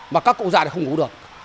mà các cụ già thì không ngủ được